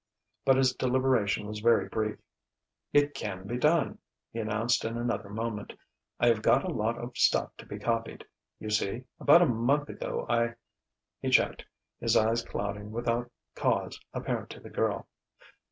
But his deliberation was very brief. "It can be done!" he announced in another moment. "I have got a lot of stuff to be copied. You see, about a month ago I...." He checked, his eyes clouding without cause apparent to the girl.